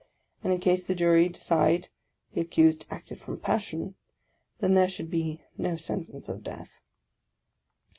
And in case the Jury decide " the accused acted from Passion," then there should be no sentence of death.